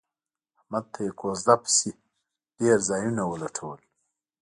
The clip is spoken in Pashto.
احمد ته یې کوزده پسې ډېر ځایونه ولټول